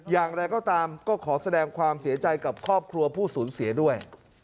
อย่างไรก็ตามก็ขอแสดงความเสียใจกับครอบครัวผู้สูญเสียด้วย